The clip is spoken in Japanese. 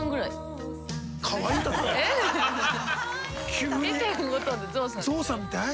急にゾウさんみたい？